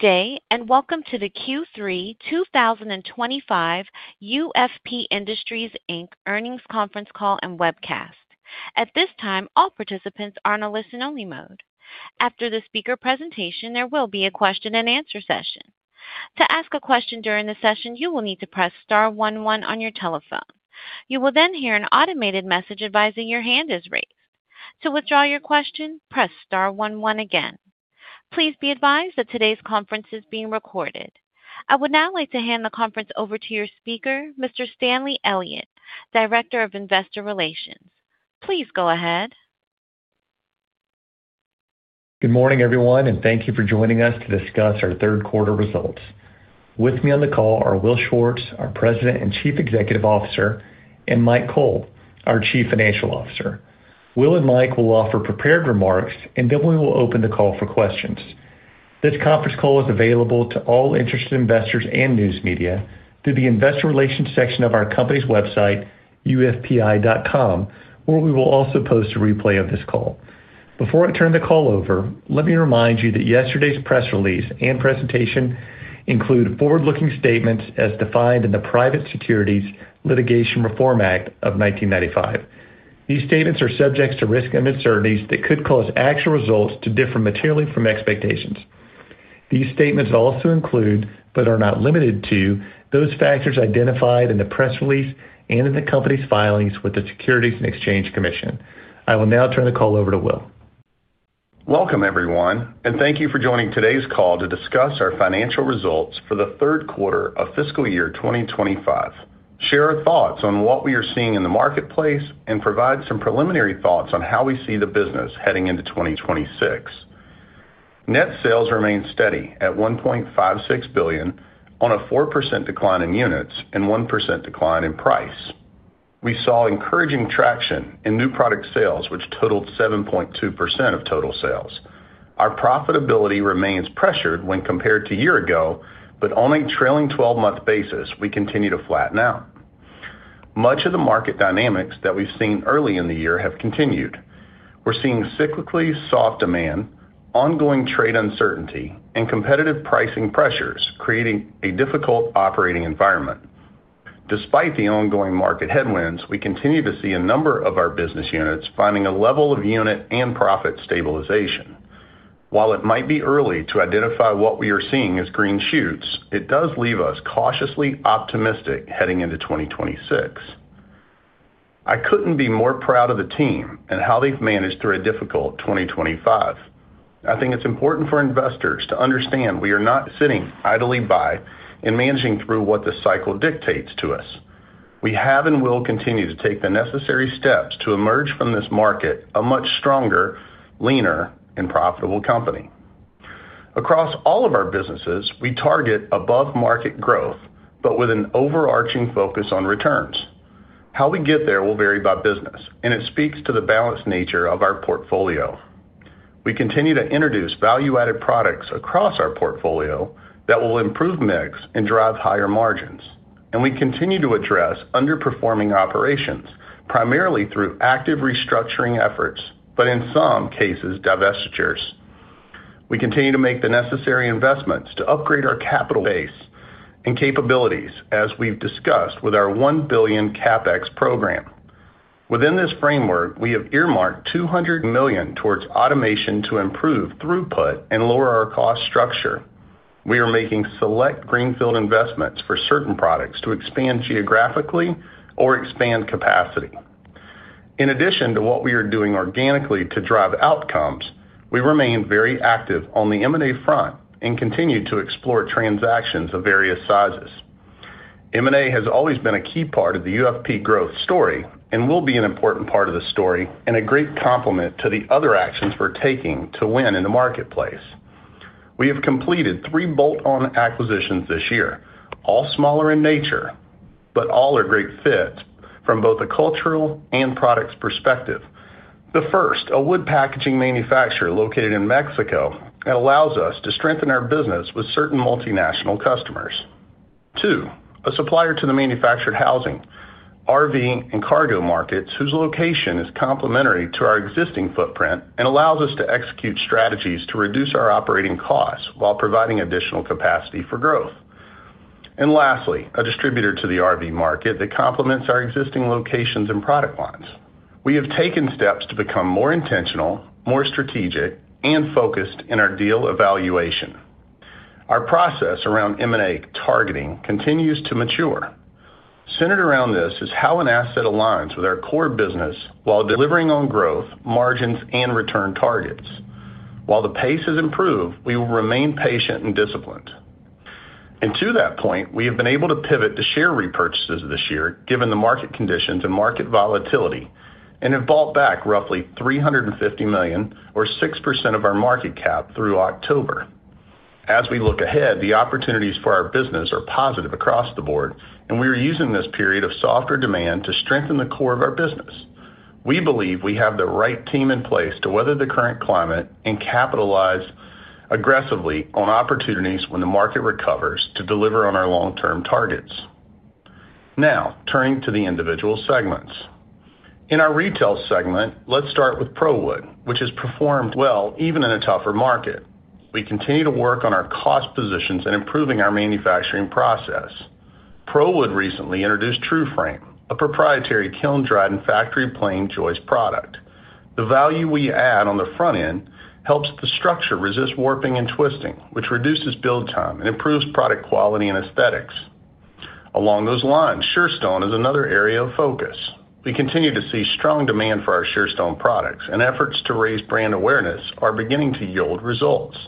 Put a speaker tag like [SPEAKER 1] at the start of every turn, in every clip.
[SPEAKER 1] Good day and Welcome to the Q3 2025 UFP Industries, Inc. earnings conference call and webcast. At this time, all participants are in a listen-only mode. After the speaker presentation, there will be a question and answer session. To ask a question during the session, you will need to press star one one on your telephone. You will then hear an automated message advising your hand is raised. To withdraw your question, press star one one again. Please be advised that today's conference is being recorded. I would now like to hand the conference over to your speaker, Mr. Stanley Elliott, Director of Investor Relations. Please go ahead.
[SPEAKER 2] Good morning, everyone, and thank you for. Joining us to discuss our third quarter results. With me on the call are Will. Schwartz, our President and Chief Executive Officer. Mike Cole, our Chief Financial Officer. Will and Mike will offer prepared remarks. We will open the call for questions. This conference call is available to all. Interested investors and news media through the Investor Relations section of our company's website, ufpi.com, where we will also post a replay of this call. Before I turn the call over, let me remind you that yesterday's press release and presentation include forward-looking statements as defined in the Private Securities Litigation Reform Act of 1995. These statements are subject to risks and uncertainties that could cause actual results to differ materially from expectations. These statements also include, but are not limited to those factors identified in the press release and in the company's filings with the Securities and Exchange Commission. I will now turn the call over to Will
[SPEAKER 3] Welcome everyone and thank you for joining today's call to discuss our financial results for the third quarter of fiscal year 2025, share our thoughts on what we are seeing in the marketplace, and provide some preliminary thoughts on how we see the business heading into 2026. Net sales remained steady at $1.56 billion on a 4% decline in units and 1% decline in price. We saw encouraging traction in new product sales, which totaled 7.2% of total sales. Our profitability remains pressured when compared to a year ago, but on a trailing twelve month basis we continue to flatten out. Much of the market dynamics that we've seen early in the year have continued. We're seeing cyclically soft demand, ongoing trade uncertainty, and competitive pricing pressures creating a difficult operating environment. Despite the ongoing market headwinds, we continue to see a number of our business units finding a level of unit and profit stabilization. While it might be early to identify what we are seeing as green shoots, it does leave us cautiously optimistic heading into 2026. I couldn't be more proud of the team and how they've managed through a difficult 2025. I think it's important for investors to understand we are not sitting idly by and managing through what the cycle dictates to us. We have and will continue to take the necessary steps to emerge from this market a much stronger, leaner, and profitable company. Across all of our businesses, we target above market growth but with an overarching focus on returns. How we get there will vary by business and it speaks to the balanced nature of our portfolio. We continue to introduce value-added products across our portfolio that will improve mix and drive higher margins, and we continue to address underperforming operations primarily through active restructuring efforts, but in some cases divestitures. We continue to make the necessary investments to upgrade our capital base and capabilities as we've discussed with our $1 billion capital expenditure program. Within this framework, we have earmarked $200 million towards automation to improve throughput and lower our cost structure. We are making select greenfield investments for certain products to expand geographically or expand capacity in addition to what we are doing organically to drive outcomes. We remain very active on the M&A front and continue to explore transactions of various sizes. M&A has always been a key part of the UFP growth story and will be an important part of the story and a great complement to the other actions we're taking to win in the marketplace. We have completed three bolt-on acquisitions this year, all smaller in nature, but all are a great fit from both a cultural and products perspective. The first, a wood packaging manufacturer located in Mexico, allows us to strengthen our business with certain multinational customers. The second, a supplier to the manufactured housing, RV, and cargo markets whose location is complementary to our existing footprint, allows us to execute strategies to reduce our operating costs while providing additional capacity for growth. Lastly, a distributor to the RV market complements our existing locations and product lines. We have taken steps to become more intentional, more strategic, and focused in our deal evaluation. Our process around M&A targeting continues to mature. Centered around this is how an asset aligns with our core business while delivering on growth, margins, and return targets. While the pace has improved, we will remain patient and disciplined, and to that point, we have been able to pivot to share repurchases this year given the market conditions and market volatility and have bought back roughly $350 million or 6% of our market cap through October. As we look ahead, the opportunities for our business are positive across the board, and we are using this period of softer demand to strengthen the core of our business. We believe we have the right team in place to weather the current climate and capitalize aggressively on opportunities when the market recovers to deliver on our long-term targets. Now turning to the individual segments, in our retail segment, let's start with ProWood, which has performed well even in a tougher market. We continue to work on our cost positions and improving our manufacturing process. ProWood recently introduced Trueframe, a proprietary kiln-dried and factory-planed joist production. The value we add on the front end helps the structure resist warping and twisting, which reduces build time and improves product quality and aesthetics. Along those lines, Surestone is another area of focus. We continue to see strong demand for our Surestone products, and efforts to raise brand awareness are beginning to yield results.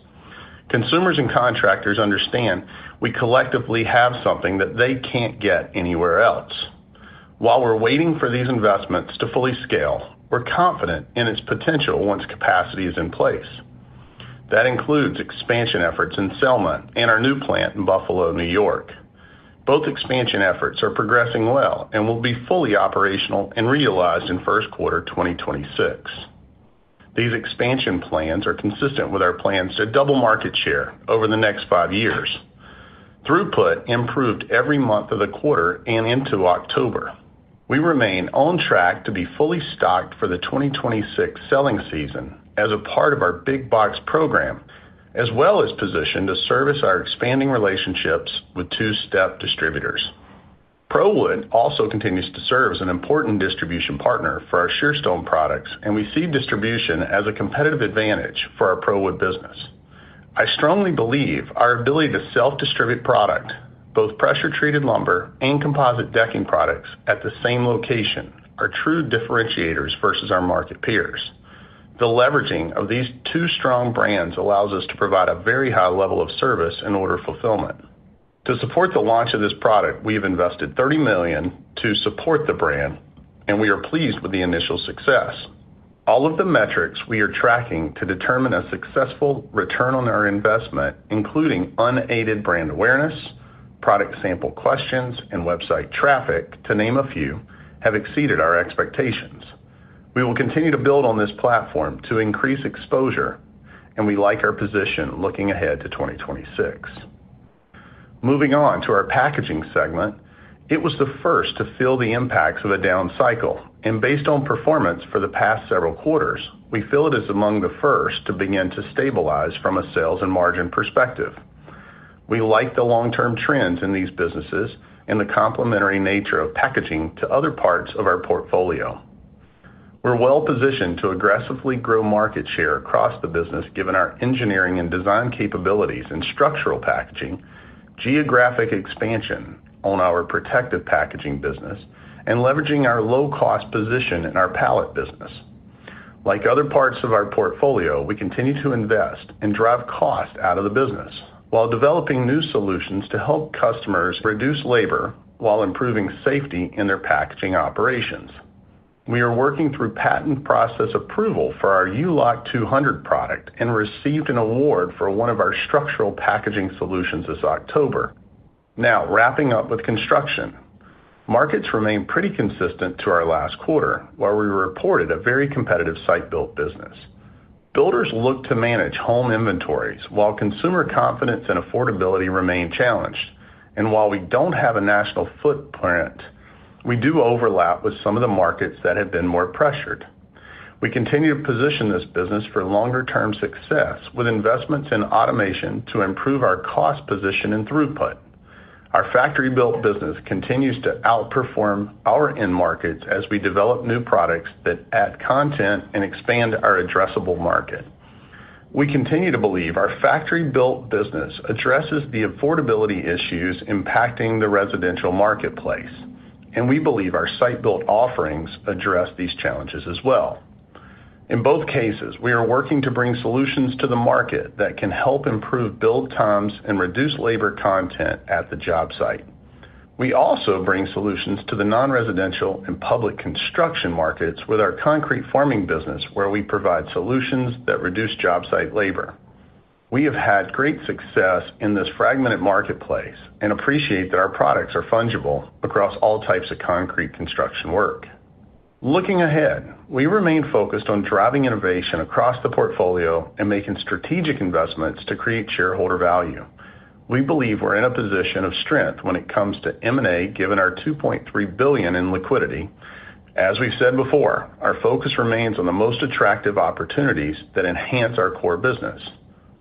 [SPEAKER 3] Consumers and contractors understand we collectively have something that they can't get anywhere else. While we're waiting for these investments to fully scale, we're confident in its potential once capacity is in place. That includes expansion efforts in Selma and our new plant in Buffalo, New York. Both expansion efforts are progressing well and will be fully operational and realized in first quarter 2026. These expansion plans are consistent with our plans to double market share over the next five years. Throughput improved every month of the quarter and into October. We remain on track to be fully stocked for the 2026 selling season as a part of our big box program as well as positioned to service our expanding relationships with two step distributors. ProWood also continues to serve as an important distribution partner for our Surestone products and we see distribution as a competitive advantage for our ProWood business. I strongly believe our ability to self distribute product, both pressure treated lumber and composite decking products at the same location are true differentiators versus our market peers. The leveraging of these two strong brands allows us to provide a very high level of service and order fulfillment to support the launch of this product. We have invested $30 million to support the brand and we are pleased with the initial success. All of the metrics we are tracking to determine a successful return on our investment, including unaided brand awareness, product sample questions and website traffic to name a few, have exceeded our expectations. We will continue to build on this platform to increase exposure and we like our position looking ahead to 2026. Moving on to our packaging segment, it was the first to feel the impacts of a down cycle and based on performance for the past several quarters, we feel it is among the first to begin to stabilize from a sales and margin perspective. We like the long term trends in these businesses and the complementary nature of packaging to other parts of our portfolio. We're well positioned to aggressively grow market share across the business given our engineering and design capabilities in structural packaging, geographic expansion on our protective packaging business and leveraging our low cost position in our pallet business. Like other parts of our portfolio, we continue to invest and drive cost out of the business while developing new solutions to help customers reduce labor while improving safety in their packaging operations. We are working through patent process approval for our U-Loc 200 product Builders look to manage home inventories while consumer confidence and affordability remain challenged, and while we don't have a national footprint, we do overlap with some of the markets that have been more pressured. We continue to position this business for longer-term success with investments in automation to improve our cost position and throughput. Our factory-built business continues to outperform our end markets as we develop new products that add content and expand our addressable market. We continue to believe our factory-built business addresses the affordability issues impacting the residential marketplace, and we believe our site-built offerings address these challenges as well. In both cases, we are working to bring solutions to the market that can help improve build times and reduce labor content at the job site. We also bring solutions to the non-residential and public construction markets with our concrete forming business where we provide solutions that reduce job site labor. We have had great success in this fragmented marketplace and appreciate that our products are fungible across all types of concrete construction work. Looking ahead, we remain focused on driving innovation across the portfolio and making strategic investments to create shareholder value. We believe we're in a position of strength when it comes to M&A given our $2.3 billion in liquidity. As we've said before, our focus remains on the most attractive opportunities that enhance our core business.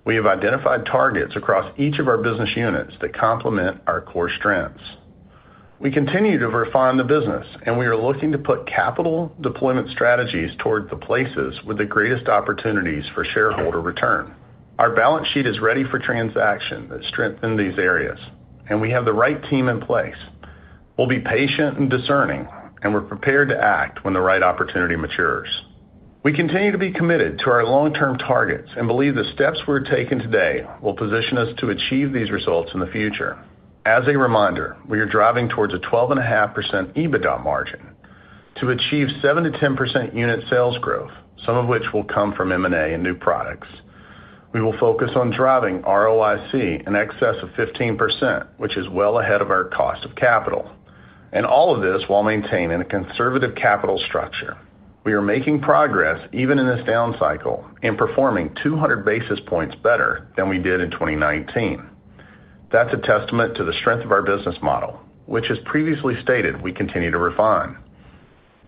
[SPEAKER 3] We have identified targets across each of our business units that complement our core strengths. We continue to refine the business and we are looking to put capital deployment strategies toward the places with the greatest opportunities for shareholder return. Our balance sheet is ready for transactions that strengthen these areas and we have the right team in place. We'll be patient and discerning and we're prepared to act when the right opportunity matures. We continue to be committed to our long-term targets and believe the steps we're taking today will position us to achieve these results in the future. As a reminder, we are driving towards a 12.5% EBITDA margin to achieve 7%-10% unit sales growth, some of which will come from M&A and new products. We will focus on driving ROIC in excess of 15%, which is well ahead of our cost of capital, and all of this while maintaining a conservative capital structure. We are making progress even in this down cycle and performing 200 basis points better than we did in 2019. That's a testament to the strength of our business model, which, as previously stated, we continue to refine.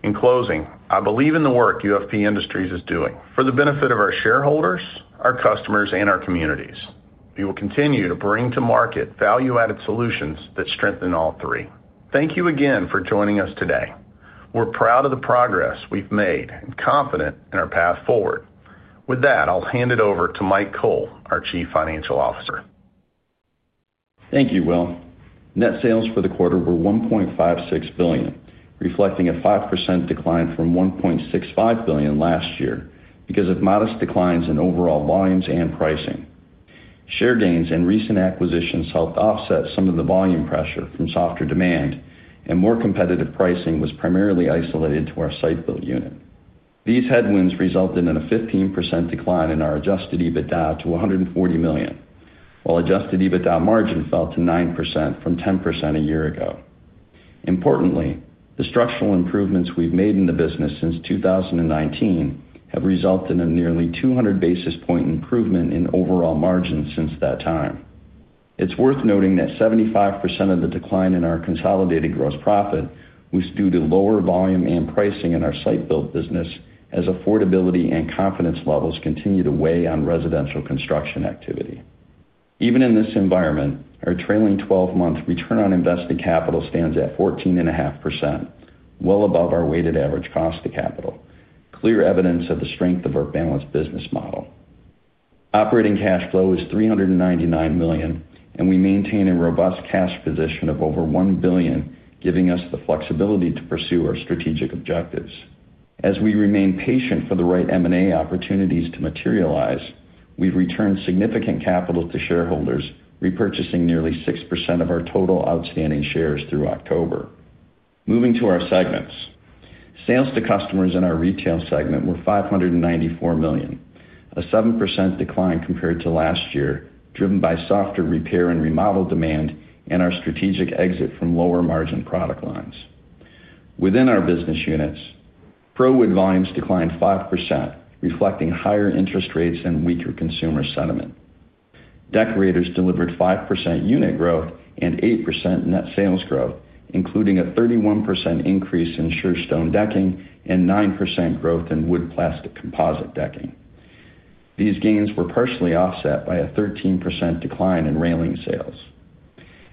[SPEAKER 3] In closing, I believe in the work UFP Industries is doing for the benefit of our shareholders, our customers, and our communities. We will continue to bring to market value-added solutions that strengthen all three. Thank you again for joining us today. We're proud of the progress we've made and confident in our path forward. With that, I'll hand it over to Mike Cole, our Chief Financial Officer.
[SPEAKER 4] Thank you, Will. Net sales for the quarter were $1.56 billion, reflecting a 5% decline from $1.65 billion last year because of modest declines in overall volumes and pricing. Share gains and recent acquisitions helped offset some of the volume pressure from softer demand, and more competitive pricing was primarily isolated to our site-built unit. These headwinds resulted in a 15% decline in our adjusted EBITDA to $140 million, while adjusted EBITDA margin fell to 9% from 10% a year ago. Importantly, the structural improvements we've made in the business since 2019 have resulted in nearly 200 basis point improvement in overall margins since that time. It's worth noting that 75% of the decline in our consolidated gross profit was due to lower volume and pricing in our site-built business as affordability and confidence levels continue to weigh on residential construction activity. Even in this environment, our trailing twelve month return on invested capital stands at 14.5%, well above our weighted average cost of capital, clear evidence of the strength of our balanced business model. Operating cash flow is $399 million and we maintain a robust cash position of over $1 billion, giving us the flexibility to pursue our strategic objectives as we remain patient for the right M&A opportunities to materialize. We returned significant capital to shareholders, repurchasing nearly 6% of our total outstanding shares through October. Moving to our segments, sales to customers in our retail segment were $594 million, a 7% decline compared to last year driven by softer repair and remodel demand and our strategic exit from lower margin product lines within our business units. ProWood volumes declined 5%, reflecting higher interest rates and weaker consumer sentiment. Deckorators delivered 5% unit growth and 8% net sales growth, including a 31% increase in Surestone decking and 9% growth in wood plastic composite decking. These gains were partially offset by a 13% decline in railing sales.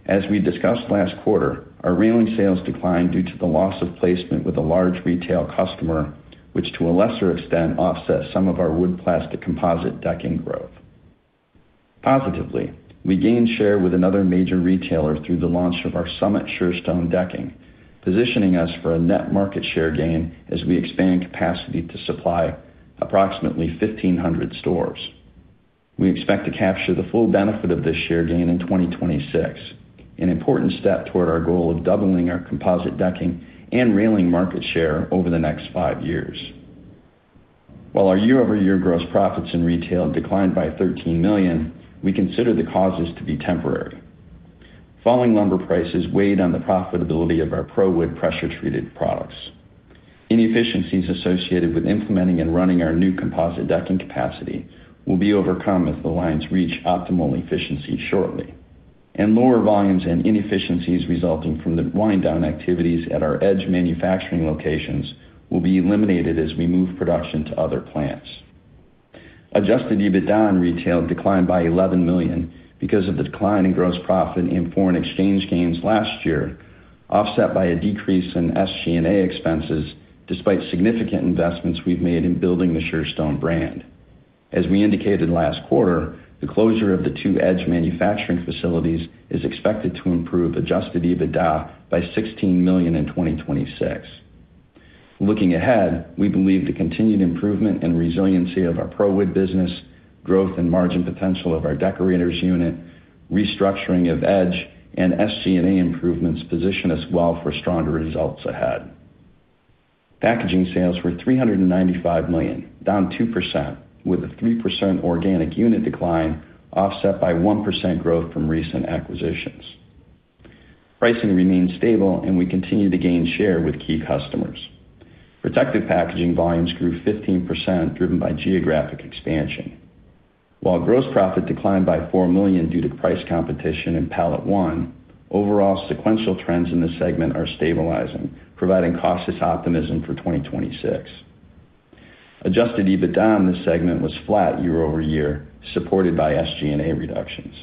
[SPEAKER 4] As we discussed last quarter, our railing sales declined due to the loss of placement with a large retail customer, which to a lesser extent offset some of our wood plastic composite decking growth. Positively, we gained share with another major retailer through the launch of our Summit Surestone decking, positioning us for a net market share gain as we expand capacity to supply approximately 1,500 stores. We expect to capture the full benefit of this share gain in 2026, an important step toward our goal of doubling our composite decking and railing market share over the next five years. While our year-over-year gross profits in retail declined by $13 million, we consider the causes to be temporary. Falling lumber prices weighed on the profitability of our ProWood pressure treated products. Inefficiencies associated with implementing and running our new composite decking capacity will be overcome as the lines reach optimal efficiency shortly, and lower volumes and inefficiencies resulting from the wind-down activities at our Edge manufacturing locations will be eliminated as we move production to other plants. Adjusted EBITDA in retail declined by $11 million because of the decline in gross profit and foreign exchange gains last year, offset by a decrease in SG&A expenses. Despite significant investments we've made in building the Surestone brand, as we indicated last quarter, the closure of the two Edge manufacturing facilities is expected to improve adjusted EBITDA by $16 million in 2026. Looking ahead, we believe the continued improvement and resiliency of our ProWood business, growth and margin potential of our Deckorators unit, restructuring of Edge, and SG&A improvements position us well for stronger results ahead. Packaging sales were $395 million, down 2% with a 3% organic unit decline offset by 1% growth from recent acquisitions. Pricing remains stable, and we continue to gain share with key customers. Protective packaging volumes grew 15% driven by geographic expansion, while gross profit declined by $4 million due to price competition in Pallet 1. Overall, sequential trends in this segment are stabilizing, providing cautious optimism for 2026. Adjusted EBITDA in this segment was flat year-over-year, supported by SG&A reductions.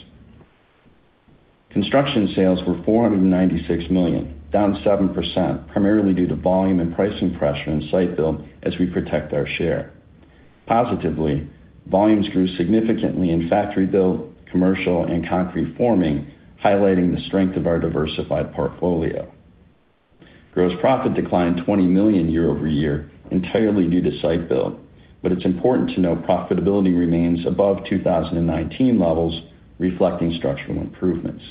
[SPEAKER 4] Construction sales were $496 million, down 7% primarily due to volume and pricing pressure in site-built. As we protect our share positively, volumes grew significantly in factory-built, commercial and concrete forming, highlighting the strength of our diversified portfolio. Gross profit declined $20 million year-over-year entirely due to site-built, but it's important to note profitability remains above 2019 levels, reflecting structural improvements.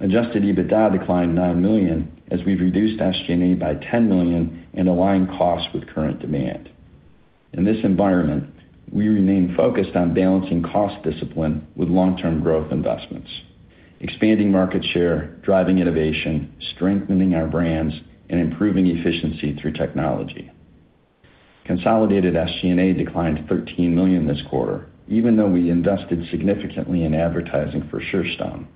[SPEAKER 4] Adjusted EBITDA declined $9 million as we've reduced SG&A by $10 million and aligned costs with current demand. In this environment, we remain focused on balancing cost discipline with long-term growth investments, expanding market share, driving innovation, strengthening our brands, and improving efficiency through technology. Consolidated SG&A declined $13 million this quarter even though we invested significantly in advertising for Surestone,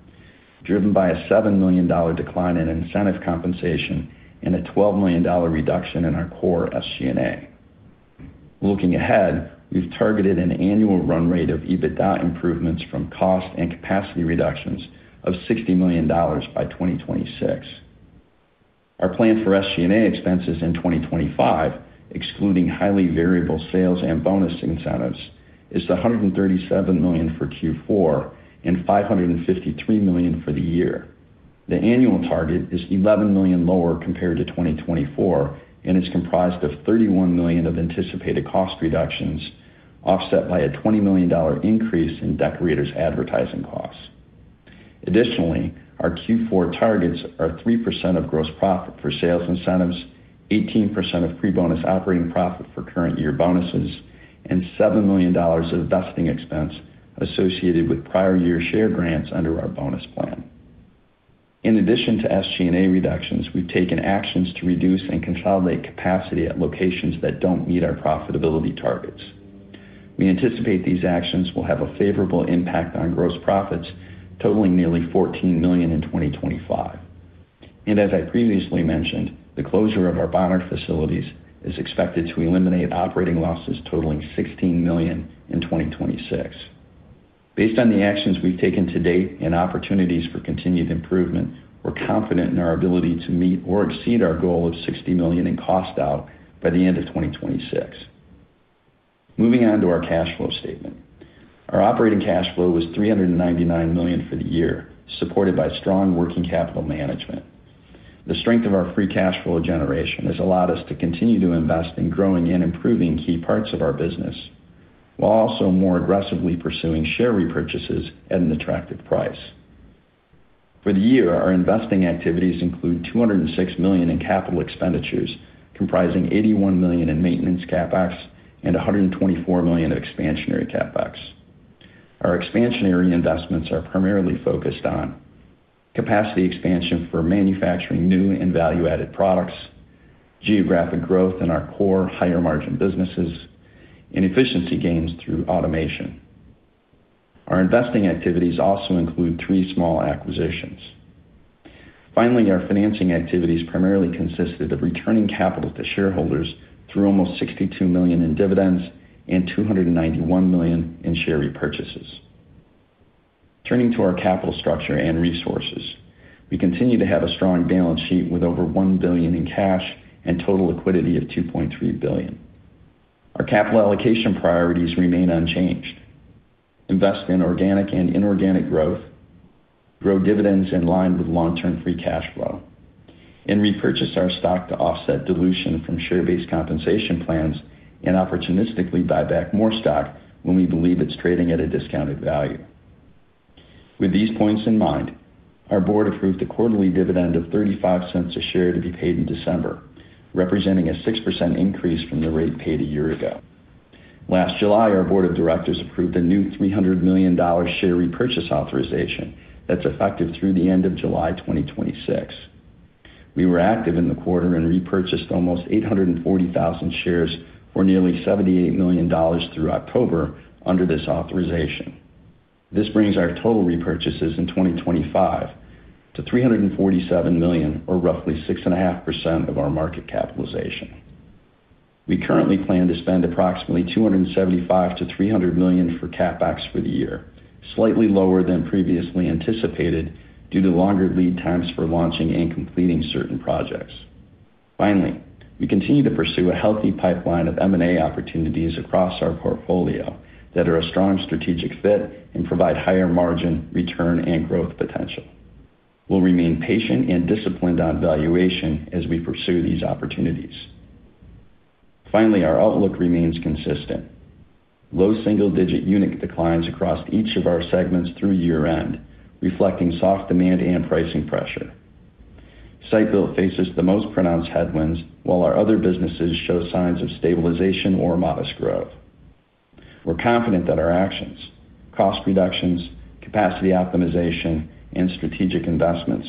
[SPEAKER 4] driven by a $7 million decline in incentive compensation and a $12 million reduction in our core SG&A. Looking ahead, we've targeted an annual run rate of EBITDA improvements from cost and capacity reductions of $60 million by 2026. Our plan for SG&A expenses in 2025, excluding highly variable sales and bonus incentives, is $137 million for Q4 and $553 million for the year. The annual target is $11 million lower compared to 2024 and is comprised of $31 million of anticipated cost reductions offset by a $20 million increase in Deckorators advertising costs. Additionally, our Q4 targets are 3% of gross profit for sales incentives, 18% of pre-bonus operating profit for current year bonuses, and $7 million of vesting expense associated with prior year share grants under our bonus plan. In addition to SG&A reductions, we've taken actions to reduce and consolidate capacity at locations that don't meet our profitability targets. We anticipate these actions will have a favorable impact on gross profits totaling nearly $14 million in 2025. As I previously mentioned, the closure of our Bonner facilities is expected to eliminate operating losses totaling $16 million in 2026. Based on the actions we've taken to date and opportunities for continued improvement, we're confident in our ability to meet or exceed our goal of $60 million in cost out by the end of 2026. Moving on to our cash flow statement, our operating cash flow was $399 million for the year, supported by strong working capital management. The strength of our free cash flow generation has allowed us to continue to invest in growing and improving key parts of our business while also more aggressively pursuing share repurchases at an attractive price for the year. Our investing activities include $206 million in capital expenditures comprising $81 million in maintenance CapEx and $124 million of expansionary CapEx. Our expansionary investments are primarily focused on capacity expansion for manufacturing new and value-added products, geographic growth in our core higher-margin businesses, and efficiency gains through automation. Our investing activities also include three small acquisitions. Finally, our financing activities primarily consisted of returning capital to shareholders through almost $62 million in dividends and $291 million in share repurchases. Turning to our capital structure and resources, we continue to have a strong balance sheet with over $1 billion in cash and total liquidity of $2.3 billion. Our capital allocation priorities remain unchanged. Invest in organic and inorganic growth, grow dividends in line with long term free cash flow, and repurchase our stock to offset dilution from share-based compensation plans and opportunistically buy back more stock when we believe it's trading at a discounted value. With these points in mind, our board approved a quarterly dividend of $0.35 a share to be paid in December, representing a 6% increase from the rate paid a year ago. Last July, our board of directors approved a new $300 million share repurchase authorization that's effective through the end of July 2026. We were active in the quarter and repurchased almost 840,000 shares for nearly $78 million through October. Under this authorization, this brings our total repurchases in 2025 to $347 million, or roughly 6.5% of our market capitalization. We currently plan to spend approximately $275 million-$300 million for CapEx for the year, slightly lower than previously anticipated due to longer lead times for launching and completing certain projects. Finally, we continue to pursue a healthy pipeline of M&A opportunities across our portfolio that are a strong strategic fit and provide higher margin return and growth potential. We'll remain patient and disciplined on valuation as we pursue these opportunities. Finally, our outlook remains consistent. Low single digit unit declines across each of our segments through year end, reflecting soft demand and pricing pressure. Site-built faces the most pronounced headwinds while our other businesses show signs of stabilization or modest growth. We're confident that our actions, cost reductions, capacity optimization, and strategic investments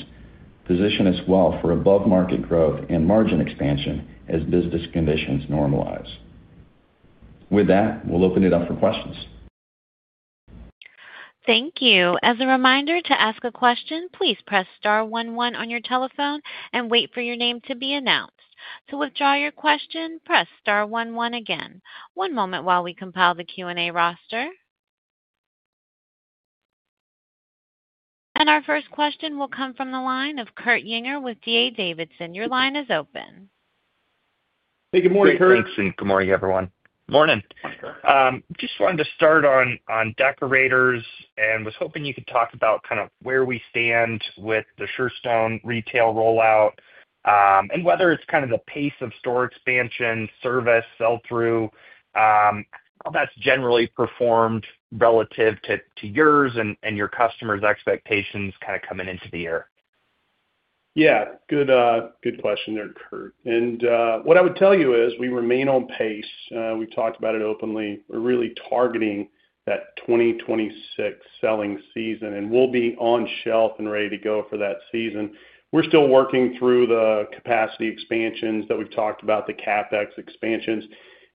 [SPEAKER 4] position us well for above market growth and margin expansion as business conditions normalize. With that, we'll open it up for questions.
[SPEAKER 1] Thank you. As a reminder to ask a question, please press star one one on your telephone and wait for your name to be announced. To withdraw your question, press star one one again. One moment while we compile the Q and A roster. Our first question will come from the line of Kurt Yinger with D.A. Davidson. Your line is open.
[SPEAKER 3] Hey, good morning, Kurt.
[SPEAKER 5] Thanks and good morning everyone. Morning, Just wanted to start on Deckorators and was hoping you could talk about kind of where we stand with the Surestone retail rollout and whether it's kind of the pace of store expansion, service, sell through, how that's generally performed relative to yours and your customers' expectations kind of coming into the year.
[SPEAKER 3] Yeah, good question there, Kurt. What I would tell you is we remain on pace. We talked about it openly. We're really targeting that 2026 selling season and we'll be on shelf and ready to go for that season. We're still working through the capacity expansions that we've talked about, the CapEx expansions,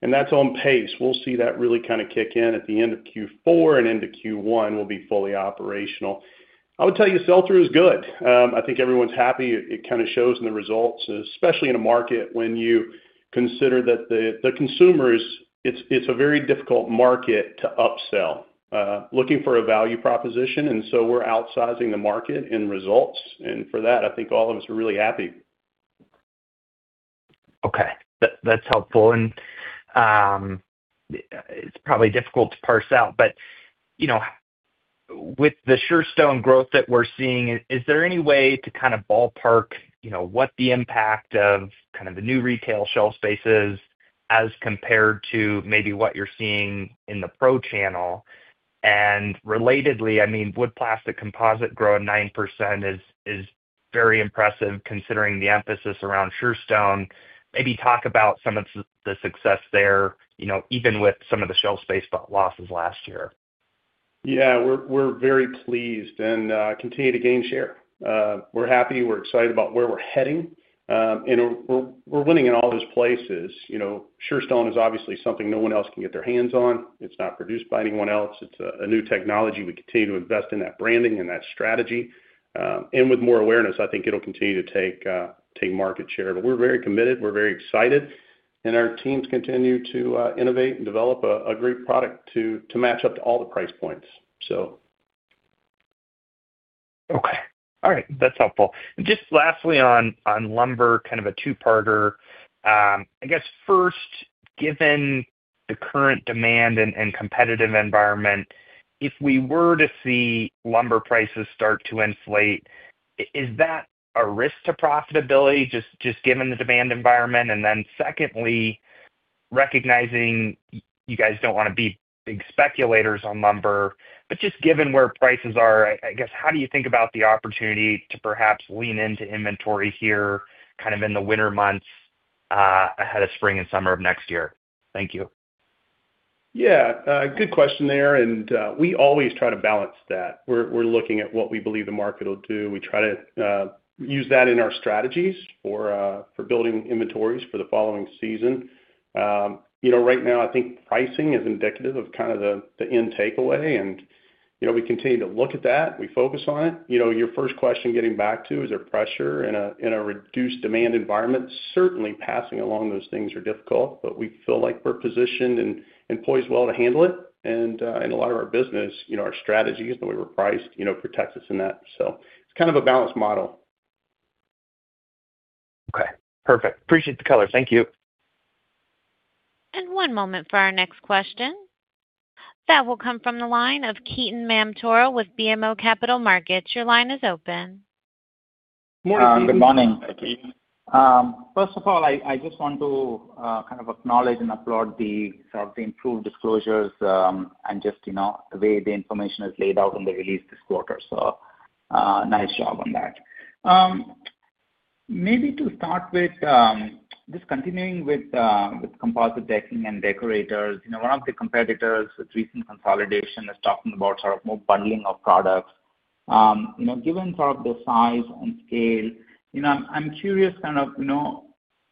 [SPEAKER 3] and that's on pace. We'll see that really kind of kick in at the end of Q4 and into Q1. We'll be fully operational. I would tell you sell through is good. I think everyone's happy. It kind of shows in the results, especially in a market when you consider that the consumers, it's a very difficult market to upsell, looking for a value proposition. We're outsizing the market in results and for that I think all of us are really happy.
[SPEAKER 5] Okay, that's helpful. It's probably difficult to parse out, but you know, with the Surestone growth that we're seeing, is there any way to kind of ballpark what the impact of the new retail shelf space is as compared to maybe what you're seeing in the pro channel? Relatedly, I mean, wood plastic composite growing 9% is very impressive considering the emphasis around Surestone. Maybe talk about some of the success there, even with some of the shelf space losses last year.
[SPEAKER 3] Yeah, we're very pleased and continue to gain share. We're happy, we're excited about where we're heading, and we're winning in all those places. You know, Surestone is obviously something no one else can get their hands on. It's not produced by anyone else. It's a new technology. We continue to invest in that branding and that strategy, and with more awareness, I think it'll continue to take market share. We're very committed, we're very excited, and our teams continue to innovate and develop a great product to match up to all the price points.
[SPEAKER 5] Okay, all right, that's helpful. Just lastly on lumber, kind of a two-parter, I guess. First, given the current demand and competitive environment, if we were to see lumber prices start to inflate, is that a risk to profitability just given the demand environment? Then secondly, recognizing you guys don't want to be big speculators on lumber, but just given where prices are, I guess how do you think about the opportunity to perhaps lean into inventory here in the winter months ahead of spring and summer of next year? Thank you.
[SPEAKER 3] Good question there. We always try to balance that. We're looking at what we believe the market will do. We try to use that in our strategies for building inventories for the following season. Right now I think pricing is indicative of kind of the end takeaway. We continue to look at that. We focus on it. Your first question, getting back to is there pressure in a reduced demand environment, certainly passing along those things are difficult, but we feel like we're positioned and poised well to handle it. In a lot of our business, our strategies, the way we're priced, protects us in that. It's kind of a balanced model.
[SPEAKER 5] Okay, perfect. Appreciate the color. Thank you.
[SPEAKER 1] One moment for our next question that will come from the line of Ketan Mamtora with BMO Capital Markets. Your line is open.
[SPEAKER 6] Good morning. First of all, I just want to acknowledge and applaud the improved disclosures and the way the information is laid out in the release this quarter. Nice job on that. Maybe to start with, continuing with composite decking and Deckorators, one of the competitors with recent consolidation is talking about more bundling of products given the size and scale. I'm curious,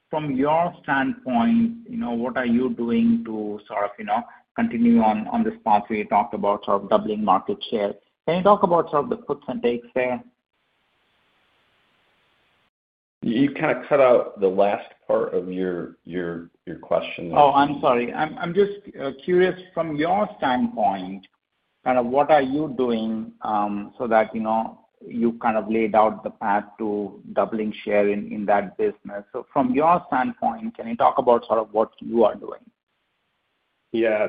[SPEAKER 6] from your standpoint, what are you doing to continue on this path where you talked about doubling market share? Can you talk about some of the puts and takes there?
[SPEAKER 3] You kind of cut out the last. Part of your question.
[SPEAKER 6] I'm just curious from your standpoint, kind of what are you doing so that you kind of laid out the path to doubling share in that business. From your standpoint, can you talk about sort of what you are doing?
[SPEAKER 3] Yeah.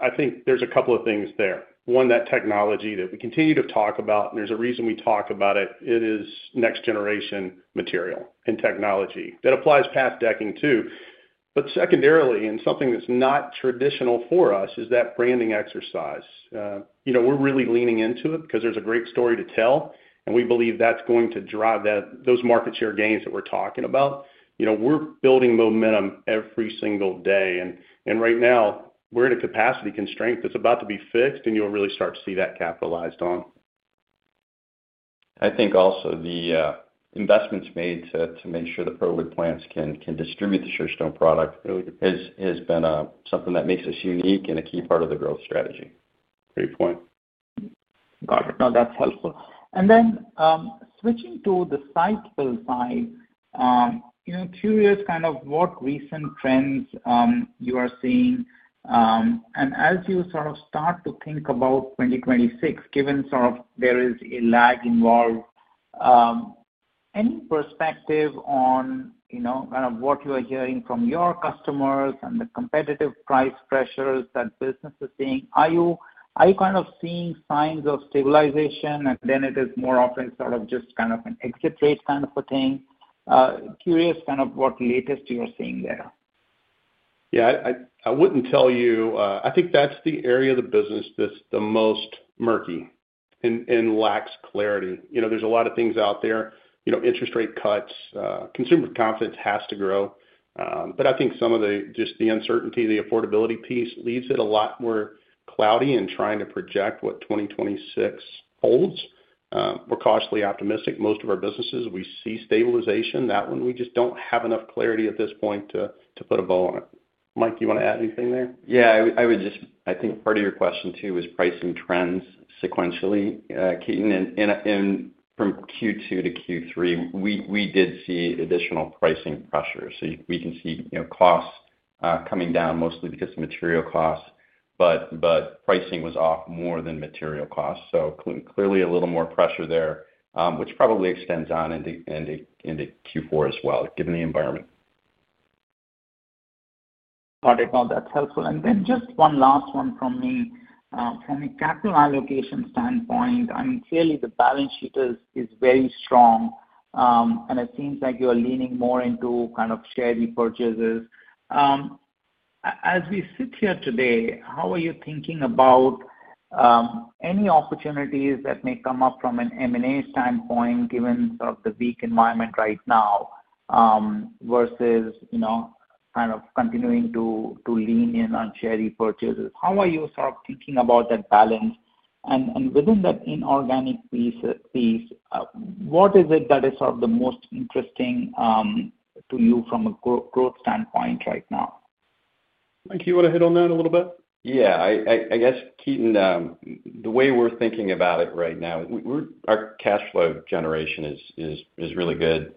[SPEAKER 3] I think there's a couple of things there. One, that technology that we continue to talk about, and there's a reason we talk about it, it is next generation material and technology that applies past decking too. Secondarily, and something that's not traditional for us, is that branding exercise. You know, we're really leaning into it because there's a great story to tell, and we believe that's going to drive those market share gains that we're talking about. You know, we're building momentum every single day, and right now we're at a capacity constraint that's about to be fixed, and you'll really start to see that capitalized on.
[SPEAKER 4] I think also the investments made to make sure the ProWood plants can distribute the Surestone product has been something that makes us unique and a key part of the growth strategy.
[SPEAKER 3] Great point.
[SPEAKER 6] Got it. No, that's helpful. Switching to the site-built side, curious what recent trends you are seeing. As you start to think about 2026, given there is a lag involved, any perspective on what you are hearing from your customers and the competitive price pressures that business is seeing? Are you seeing signs of stabilization, and is it more often just an exit rate kind of a thing? Curious what latest you're seeing there.
[SPEAKER 3] Yeah, I wouldn't tell you. I think that's the area of the business that's the most murky and lacks clarity. There's a lot of things out there. Interest rate cuts, consumer confidence has to grow. I think some of the uncertainty, the affordability piece, leaves it a lot more cloudy. In trying to project what 2026 holds, we're cautiously optimistic. Most of our businesses, we see stabilization. That one, we just don't have enough clarity at this point to put a bow on it. Mike, you want to add anything there?
[SPEAKER 4] I would just. I think part of your question too is pricing trends sequentially. Ketan, from Q2 to Q3, we did see additional pricing pressures. We can see costs coming down mostly because of material costs, but pricing was off more than material costs. Clearly, there is a little more pressure there, which probably extends on into Q4 as well given the environment.
[SPEAKER 6] That's helpful. Just one last one from me. From a capital allocation standpoint, clearly the balance sheet is very strong and it seems like you are leaning more into kind of share repurchases as we sit here today. How are you thinking about any opportunities that may come up from an M&A standpoint, given the weak environment right now versus kind of continuing to lean in on share repurchases? How are you sort of thinking about that balance, and within that inorganic piece, what is it that is sort of the most interesting to you from a growth standpoint right now?
[SPEAKER 3] Mike, you want to hit on that a little bit?
[SPEAKER 4] I guess. Ketan, the way we're thinking about it right now, our cash flow generation is really good.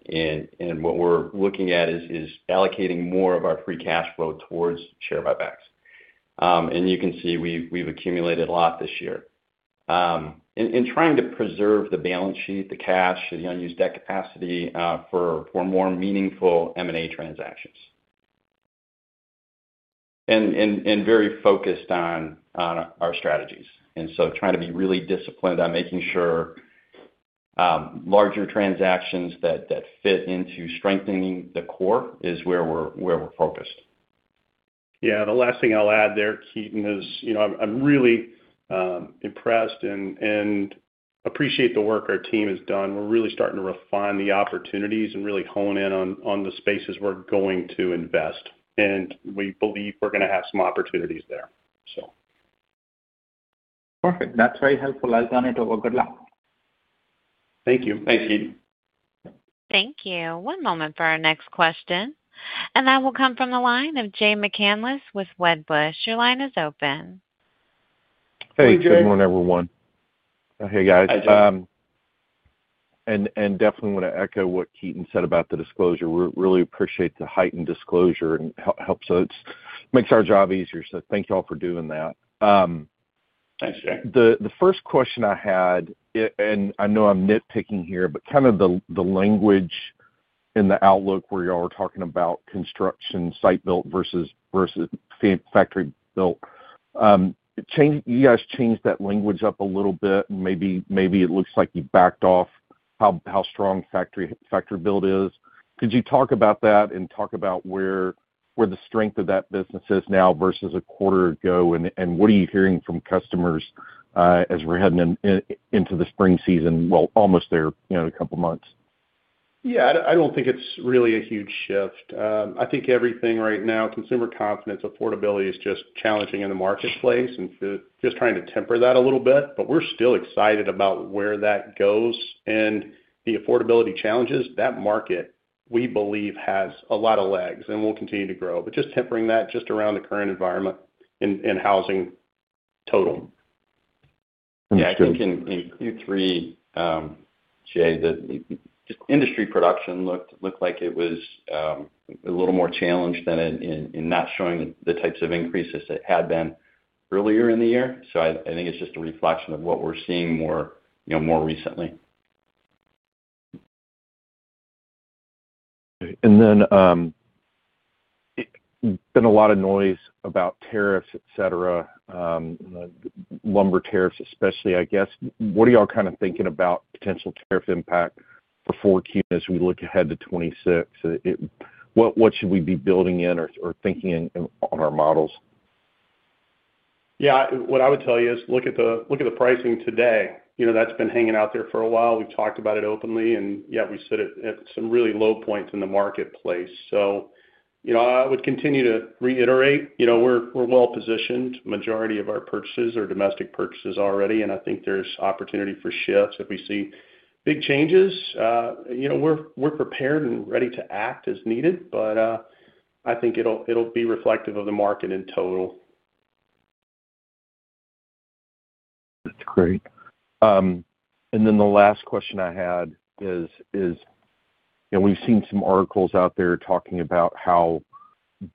[SPEAKER 4] What we're looking at is allocating more of our free cash flow towards share buybacks. You can see we've accumulated a lot this year in trying to preserve the balance sheet, the cash, the unused debt, capacity for more meaningful M&A transactions and very focused on our strategies, trying to be really disciplined on making sure larger transactions that fit into strengthening the core is where we're focused.
[SPEAKER 3] Yeah. The last thing I'll add there, Ketan, is I'm really impressed and appreciate the work our team has done. We're really starting to refine the opportunities and really hone in on the spaces we're going to invest, and we believe we're going to have some opportunities there.
[SPEAKER 6] Perfect. That's very helpful. I'll turn it over. Good luck.
[SPEAKER 3] Thank you.
[SPEAKER 4] Thanks
[SPEAKER 1] Thank you. One moment for our next question. That will come from the line of Jay McCanless with Wedbush. Your line is open.
[SPEAKER 7] Hey, good morning, everyone. Hey, guys. I definitely want to echo what Ketan said about the disclosure. We really appreciate the heightened disclosure and it helps us make our job easy. Thank you all for doing that.
[SPEAKER 3] Thanks, Jay
[SPEAKER 7] The first question I had, and I know I'm nitpicking here, but kind of the language in the outlook where you are talking about construction site-built versus factory-built, you guys changed that language up a little bit. Maybe it looks like you backed off how strong factory-built is. Could you talk about that and talk about where the strength of that business is now versus a quarter ago? What are you hearing from customers as we're heading into the spring season? We're almost there in a couple months.
[SPEAKER 3] Yeah, I don't think it's really a huge shift. I think everything right now, consumer confidence, affordability is just challenging in the marketplace and just trying to temper that a little bit. We're still excited about where that goes and the affordability challenges. That market, we believe, has a lot of legs and will continue to grow, just tempering that around the current environment and housing total.
[SPEAKER 4] I think in Q3, Jay, the industry production looked like it was a little more challenged than in not showing the types of increases that had been earlier in the year. I think it's just a reflection of what we're seeing more recently.
[SPEAKER 7] And then. Been a lot. Of noise about tariffs, etc. Lumber tariffs especially, I guess. What are y'all kind of thinking about potential tariff impact for 4Q as we look ahead to 2026, what should we be building in or thinking on our models?
[SPEAKER 3] Yeah. What I would tell you is look at the pricing today. You know, that's been hanging out there for a while. We've talked about it openly, yet we sit at some really low points in the marketplace. I would continue to reiterate, we're well positioned. Majority of our purchases are domestic purchases already. I think there's opportunity for shifts. If we see big changes, we're prepared and ready to act as needed. I think it'll be reflective of the market in total.
[SPEAKER 7] That's great. The last question I had is we've seen some articles out there talking about how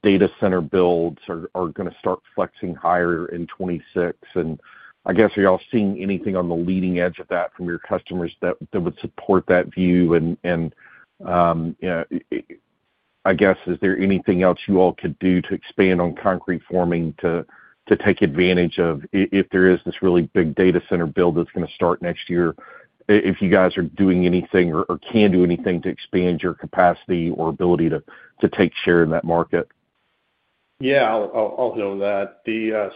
[SPEAKER 7] data center builds are going to start flexing higher in 2026. I guess, are you all seeing anything on the leading edge of that from your customers that would support that view? I guess, is there anything else you all could do to expand on concrete forming to take advantage of it if there is this really big data center build that's going to start next year? If you guys are doing anything or can do anything to expand your capacity or ability to take share in that.
[SPEAKER 3] Market, yeah, I'll handle that.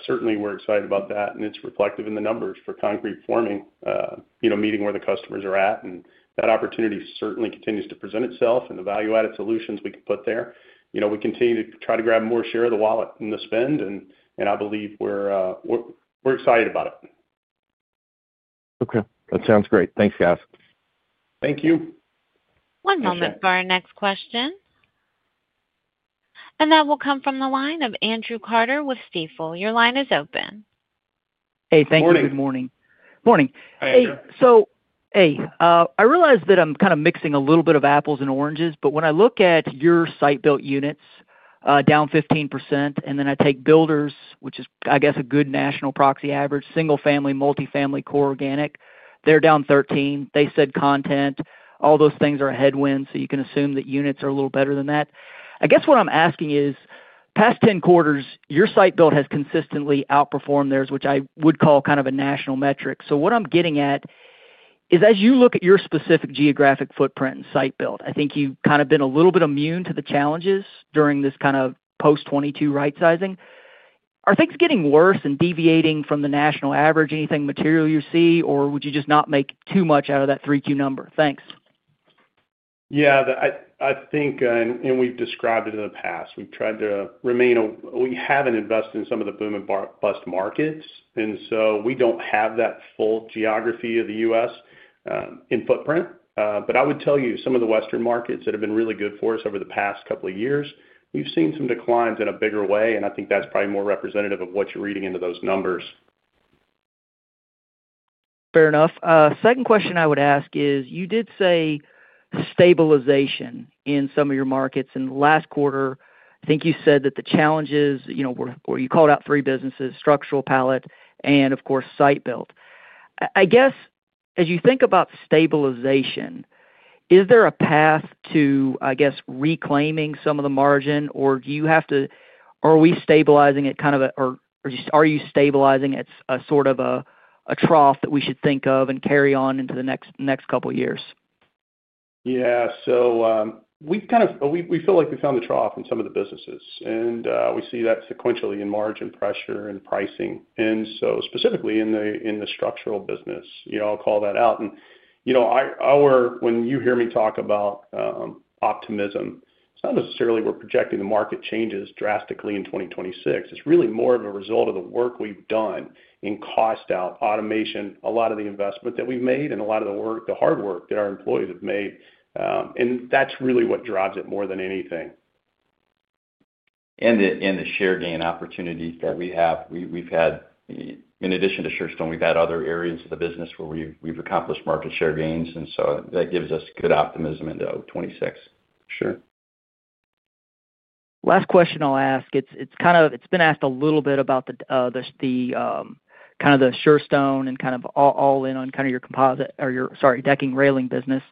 [SPEAKER 3] Certainly we're excited about that, and it's reflective in the numbers for concrete forming, meeting where the customers are at. That opportunity certainly continues to present itself, and the value-added solutions we can put there. We continue to try to grab more share of the wallet and the spend, and I believe we're excited about it.
[SPEAKER 7] Okay, that sounds great. Thanks, guys.
[SPEAKER 3] Thank you.
[SPEAKER 1] One moment for our next question. That will come from the line of Andrew Carter with Stifel. Your line is open.
[SPEAKER 8] Hey. Thank you. Good morning.
[SPEAKER 3] Morning.
[SPEAKER 8] I realize that I'm kind of mixing a little bit of apples and oranges, but when I look at your site-built units down 15% and then I take Builders, which is I guess a good national proxy average, single family, multifamily core, organic, they're down 13%. They said content, all those things are a headwind. You can assume that units are a little better than that. I guess what I'm asking is past 10 quarters, your site-built has consistently outperformed theirs, which I would call kind of a national metric. What I'm getting at is as you look at your specific geographic footprint and site-built, I think you've kind of been a little bit immune to the challenges during this kind of post-2022 rightsizing. Are things getting worse and deviating from the national average? Anything material you see or would you just not make too much out of that 3Q number? Thanks.
[SPEAKER 3] Yeah, I think, and we've described it in the past, we've tried to remain, we haven't invested in some of the boom and bust markets, and we don't have that full geography of the U.S. in footprint. I would tell you, some of the western markets that have been really good for us over the past couple of years, we've seen some declines in a bigger way. I think that's probably more representative of what you're reading into those numbers.
[SPEAKER 8] Fair enough. Second question I would ask is you did say stabilization in some of your markets in the last quarter. I think you said that the challenges, you called out three businesses, structural, pallet, and of course site-built. I guess as you think about stabilization, is there a path to, I guess, reclaiming some of the margin or do you have to. Are we stabilizing it? Kind of. Or are you stabilizing? It's a sort of a trough that we should think of and carry on into the next couple years.
[SPEAKER 3] Yeah, we feel like we found the trough in some of the businesses and we see that sequentially in margin pressure and pricing. Specifically in the structural business, I'll call that out. When you hear me talk about optimism, it's not necessarily we're projecting the market changes drastically in 2026. It's really more of a result of the work we've done in cost out automation. A lot of the investment that we've made and a lot of the hard work that our employees have made, that's really what drives it more than anything.
[SPEAKER 4] The share gain opportunities that we have, we've had in addition to Surestone, we've had other areas of the business where we've accomplished market share gains. That gives us good optimism into 2026.
[SPEAKER 3] Sure.
[SPEAKER 8] Last question I'll ask. It's been asked a little bit about the Surestone and all in on your decking railing business.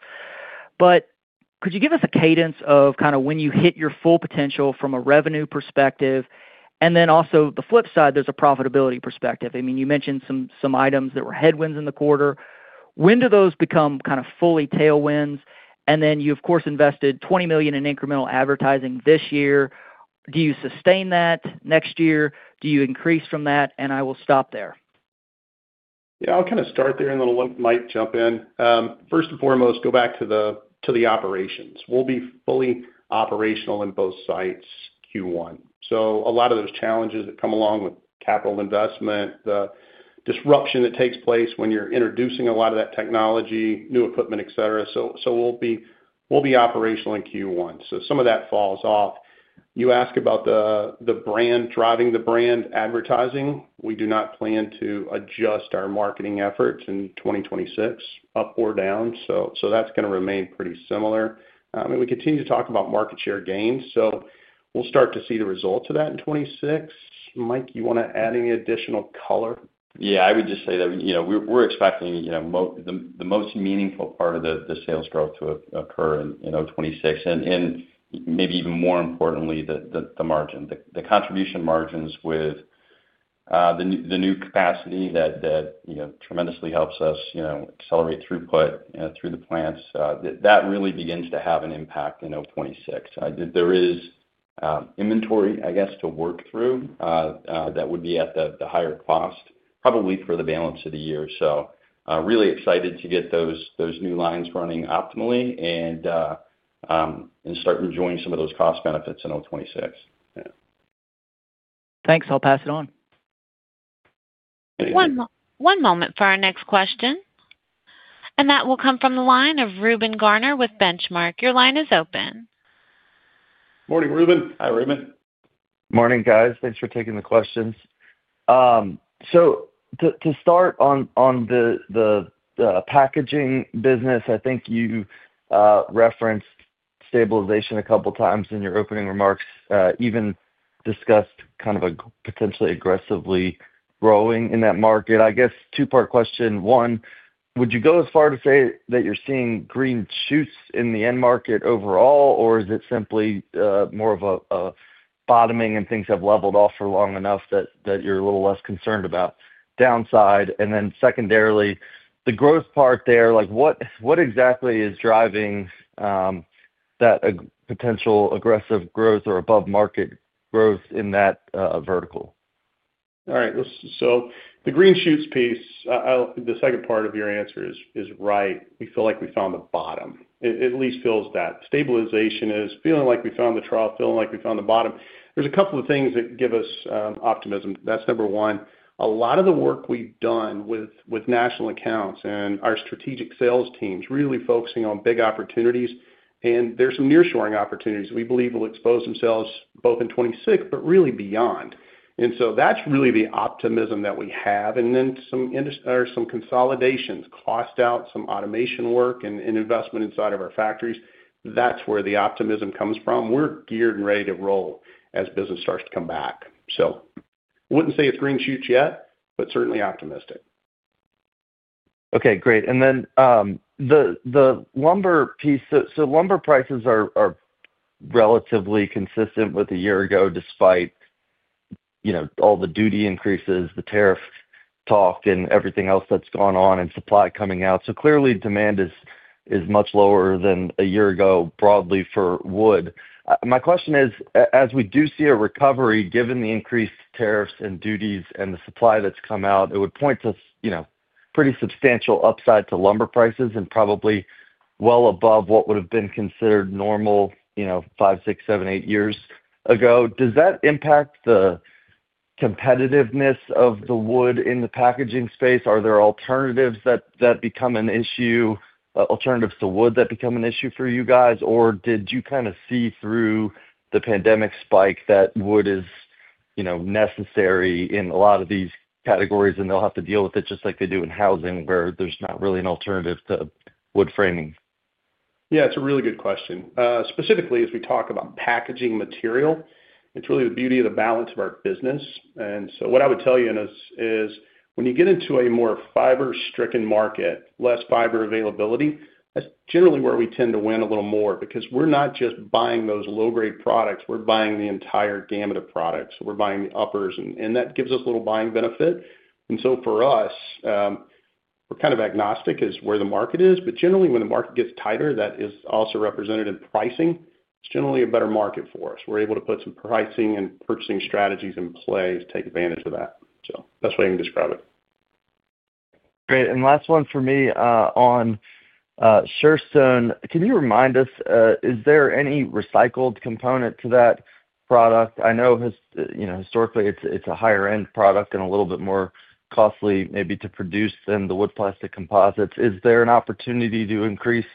[SPEAKER 8] Could you give us a cadence of when you hit your full potential from a revenue perspective? Also, the flip side, there's a profitability perspective. I mean, you mentioned some items that were headwinds in the quarter. When do those become fully tailwinds? You of course invested $20 million in incremental advertising this year. Do you sustain that next year? Do you increase from that? I will stop there.
[SPEAKER 3] Yeah, I'll kind of start there and then I'll let Mike jump in. First and foremost, go back to the operations. We'll be fully operational in both sites Q1. A lot of those challenges that come along with capital investment, the disruption that takes place when you're introducing a lot of that technology, new equipment, et cetera, will be operational in Q1. Some of that falls off. You ask about the brand driving the brand advertising. We do not plan to adjust our marketing efforts in 2026 up or down. That's going to remain pretty similar, and we continue to talk about market share gains. We'll start to see the results of that in 2026. Mike, you want to add any additional color?
[SPEAKER 4] Yeah. I would just say that we're expecting the most meaningful part of the sales growth to occur in 2026 and maybe even more importantly the margin, the contribution margins with the new capacity that tremendously helps us accelerate throughput through the plants. That really begins to have an impact in 2026. There is inventory, I guess, to work through that would be at the higher cost probably for the balance of the year. Really excited to get those new lines running optimally and start enjoying some of those cost benefits in 2026..
[SPEAKER 8] Thanks. I'll pass it on.
[SPEAKER 1] One moment for our next question. That will come from the line of Reuben Garner with Benchmark. Your line is open.
[SPEAKER 3] Morning, Ruben.
[SPEAKER 4] Hi, Ruben.
[SPEAKER 9] Morning, guys. Thanks for taking the questions. To start on the packaging business, I think you referenced stabilization a couple times in your opening remarks. You even discussed kind of potentially aggressively growing in that market. I guess two part question. One, would you go as far to say that you're seeing green shoots in the end market overall or is it simply more of a bottoming and things have leveled off for long enough that you're a little less concerned about downside? Secondarily, the growth part there, like what exactly is driving that potential aggressive growth or above market growth in that vertical?
[SPEAKER 3] All right, so the green shoots piece, the second part of your answer is right. We feel like we found the bottom, at least feels that stabilization is feeling like we found the trough, feeling like we found the bottom. There's a couple of things that give us optimism. That's number one, a lot of the work we've done with national accounts and our strategic sales teams really focusing on big opportunities. There's some near shoring opportunities we believe will expose themselves both in 2026, but really beyond. That's really the optimism that we have. Then some consolidations, cost out, some automation work and investment inside of our factories. That's where the optimism comes from. We're geared and ready to roll as. Business starts to come back. Wouldn't say it's green shoots yet, but certainly optimistic.
[SPEAKER 9] Okay, great. The lumber piece. Lumber prices are relatively consistent with a year ago, despite all the duty increases, the tariff talk, and everything else that's gone on. Supply coming out. Clearly, demand is much lower than a year ago, broadly for wood. My question is, as we do see a recovery, given the increased tariffs and duties and the supply that's come out, it would point to pretty substantial upside to lumber prices and probably well above what would have been considered normal five, six, seven, eight years ago. Does that impact the competitiveness of the wood in the packaging space? Are there alternatives that become an issue, alternatives to wood that become an issue for you guys? Or did you kind of see through the pandemic spike that wood is necessary in a lot of these categories and they'll have to deal with it just like they do in housing, where there's not really an alternative to wood framing.
[SPEAKER 3] Yeah, it's a really good question. Specifically, as we talk about packaging material, it's really the beauty of the balance of our business. What I would tell you is when you get into a more fiber-stricken market, less fiber availability, that's generally where we tend to win a little more because we're not just buying those low grade products, we're buying the entire gamut of products. We're buying the uppers, and that gives us a little buying benefit. For us, we're kind of agnostic as to where the market is. Generally, when the market gets tighter, that is also represented in pricing. It's generally a better market for us. We're able to put some pricing and purchasing strategies in play to take advantage of that. That's what you can describe it. Great.
[SPEAKER 9] Last one for me on Surestone, can you remind us, is there any recycled component to that product? I know historically it's a higher end product and a little bit more costly maybe to produce than the wood plastic composites. Is there an opportunity to increase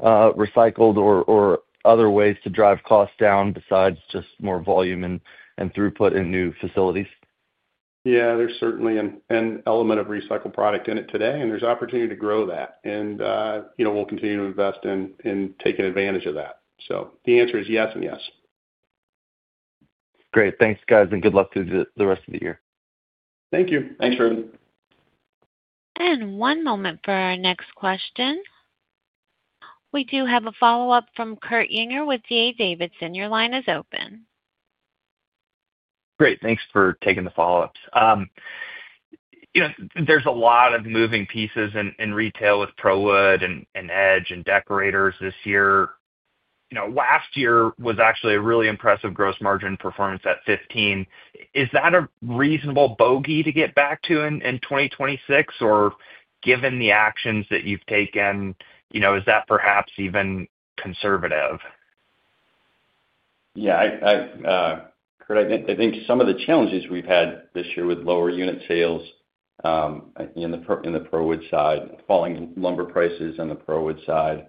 [SPEAKER 9] recycled or other ways to drive costs down besides just more volume and throughput in new facilities?
[SPEAKER 3] Yeah, there's certainly an element of recycled product in it today, and there's opportunity to grow that. We'll continue to invest in taking advantage of that. The answer is yes and yes. Great.
[SPEAKER 9] Thanks, guys, and good luck through the rest of the year.
[SPEAKER 3] Thank you.
[SPEAKER 4] Thanks Reuben.
[SPEAKER 1] One moment for our next question. We have a follow-up from Kurt Yinger with D.A. Davidson. Your line is open.
[SPEAKER 5] Great. Thanks for taking the follow ups. There's a lot of moving pieces in retail with ProWood and Edge and Deckorators this year. Last year was actually a really impressive gross margin performance at 15%. Is that a reasonable bogey to get back to in 2026 or, given the actions that you've taken, is that perhaps even conservative?
[SPEAKER 4] Yeah, Kurt, I think some of the challenges we've had this year with lower unit sales in the ProWood side, falling lumber prices on the ProWood side.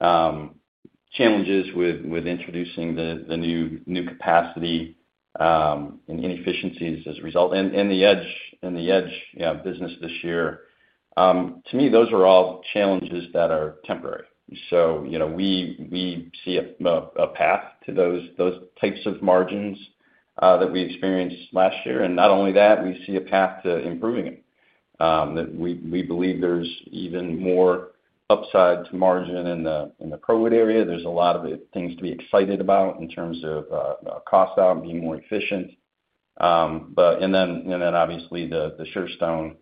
[SPEAKER 4] Challenges with introducing the new capacity and inefficiencies as a result, and the Edge business this year, to me, those are all challenges that are temporary. We see a path to those types of margins that we experienced last year, and not only that, we see a path to improving it. We believe there's even more upside to margin in the ProWood area. There's a lot of things to be excited about in terms of cost out and being more efficient. Obviously, the Surestone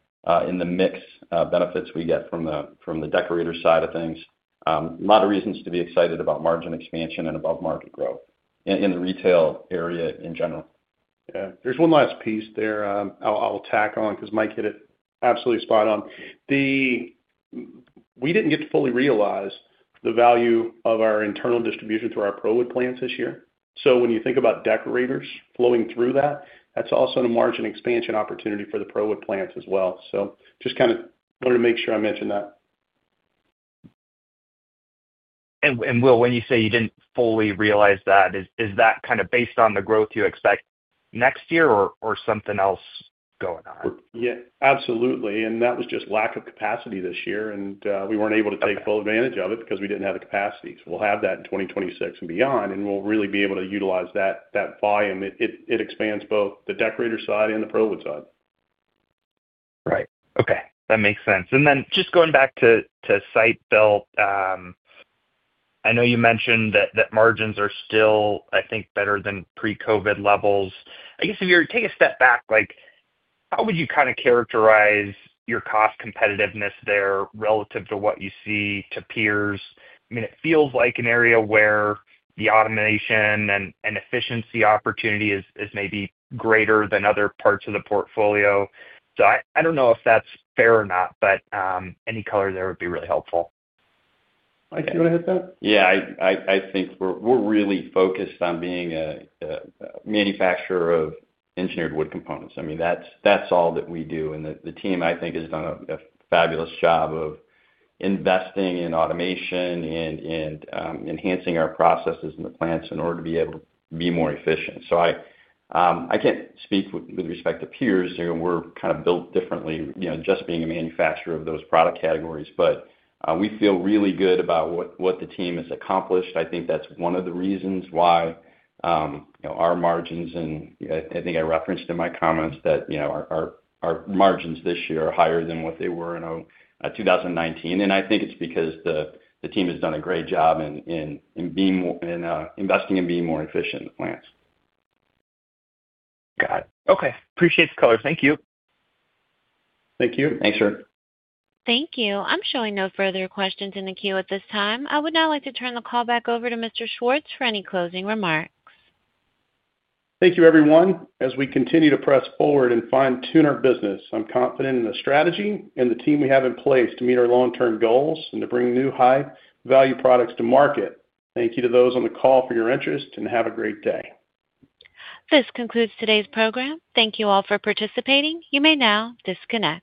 [SPEAKER 4] in the mix benefits we get from the Deckorators side of things. A lot of reasons to be excited about margin expansion and above market growth in the retail area in general.
[SPEAKER 3] There's one last piece there I'll tack on because Mike Cole hit it absolutely spot on. We didn't get to fully realize the value of our internal distribution through our ProWood plants this year. When you think about Deckorators flowing through that, that's also a margin expansion opportunity for the ProWood plants as well. Just kind of wanted to make sure I mentioned that.
[SPEAKER 5] When you say you didn't fully realize that, is that kind of based on the growth you expect next year or something else going on?
[SPEAKER 3] Yeah, absolutely. That was just lack of capacity this year, and we weren't able to take full advantage of it because we didn't have the capacity. We'll have that in 2026 and beyond, and we'll really be able to utilize that volume. It expands both the Deckorators side and the ProWood side.
[SPEAKER 5] Right, okay, that makes sense. Just going back to site-built, I know you mentioned that margins are still, I think, better than pre-COVID levels. I guess if you were to take a step back, how would you kind of characterize your cost competitiveness there relative to what you see to peers? I mean, it feels like an area where the automation and efficiency opportunity is maybe greater than other parts of the portfolio. I don't know if that's fair or not, but any color there would be really helpful.
[SPEAKER 3] Mike, do you want to hit that?
[SPEAKER 4] Yeah. I think we're really focused on being a manufacturer of engineered wood components. I mean, that's all that we do. The team, I think, has done a fabulous job of investing in automation and enhancing our processes in the plants in order to be able to be more efficient. I can't speak with respect to peers. We're kind of built differently just being a manufacturer of those product categories. We feel really good about what the team has accomplished. I think that's one of the reasons why our margins, and I think I referenced in my comments that our margins this year are higher than what they were in 2019. I think it's because the team has done a great job in investing and being more efficient in the plants.
[SPEAKER 5] Got it. Okay. Appreciate the color. Thank you.
[SPEAKER 3] Thank you.
[SPEAKER 4] Thanks her.
[SPEAKER 1] Thank you. I'm showing no further questions in the queue at this time. I would now like to turn the call back over to Mr. Schwartz for any closing remarks.
[SPEAKER 3] Thank you everyone. As we continue to press forward and fine tune our business, I'm confident in the strategy and the team we have in place to meet our long term goals and to bring new high value products to market. Thank you to those on the call for your interest and have a great day.
[SPEAKER 1] This concludes today's program. Thank you all for participating. You may now disconnect.